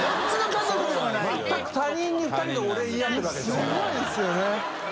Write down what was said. すごいですよね。